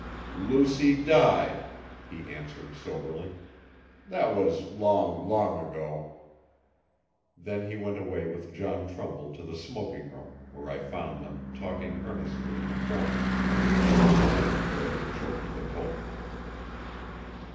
'Lucy died,' he answered soberly; 'thet was long, long ago.' Then he went away with John Trumbull to the smoking room where I found them, talking earnestly in a corner, when it was time to go to the church with Hope.